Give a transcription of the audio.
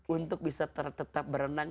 untuk bisa tetap berenang